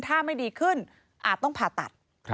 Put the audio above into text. ถ้าไม่ดีขึ้นอาจต้องผ่าตัด